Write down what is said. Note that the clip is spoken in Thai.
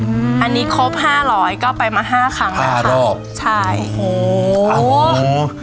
อืมอันนี้ครบห้าร้อยก็ไปมาห้าครั้งแล้วค่ะใช่โอ้โห